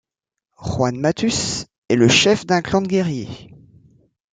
Juan Matus est le chef d'un clan de guerriers.